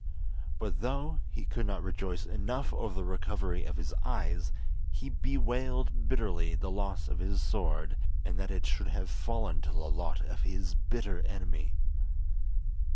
But though he could not rejoice enough over the recovery of his eyes, he bewailed bitterly the loss of his sword, and that it should have fallen to the lot of his bitter enemy.